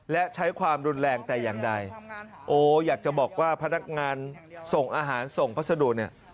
และใช้ความรุนแรงแต่อย่างใดโอ้อยากจะบอกว่าพนักงานส่งอาหารส่งพัสดุเนี่ย